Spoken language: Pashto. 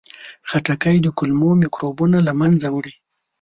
خټکی د کولمو میکروبونه له منځه وړي.